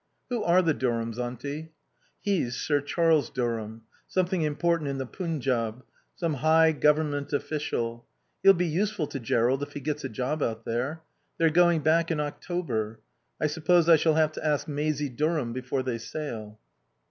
"Who are the Durhams, Auntie?" "He's Sir Charles Durham. Something important in the Punjaub. Some high government official. He'll be useful to Jerrold if he gets a job out there. They're going back in October. I suppose I shall have to ask. Maisie Durham before they sail."